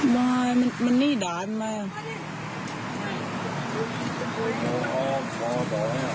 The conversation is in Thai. ว้ายมันนี่ดาดมาก